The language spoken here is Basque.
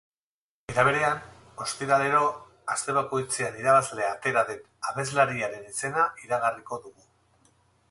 Era berean, ostiralero aste bakoitzean irabazle atera den abeslariaren izena iragarriko dugu.